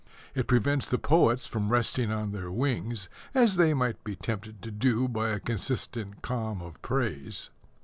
It prevents the poets from resting on their wings, as they might be tempted to do by a consistent calm of praise.